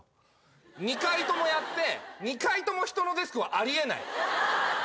２回ともやって２回とも人のデスクはあり得ない。